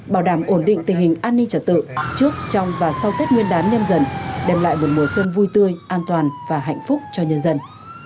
bảo đảm ổn định tình hình an ninh trật tự trước trong và sau tết nguyên đán nâm dần đem lại một mùa xuân vui tươi an toàn và hạnh phúc cho nhân dân